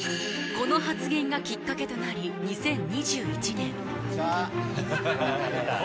この発言がきっかけとなり２０２１年こんにちは。